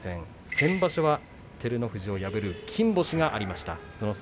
先場所は照ノ富士を破る金星がありました。